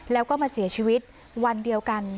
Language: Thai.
แล้วก็มาเสียชีวิตวันเดียวกัน